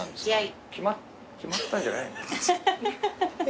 決まったんじゃないの？